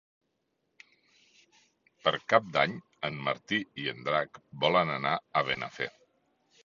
Per Cap d'Any en Martí i en Drac volen anar a Benafer.